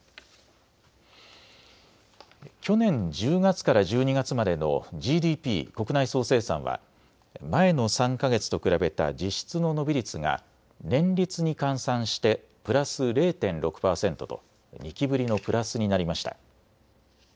去年１０月から１２月までのＧＤＰ・国内総生産は前の３か月と比べた実質の伸び率が年率に換算してプラス０．６％と２期ぶりのプラスになりました。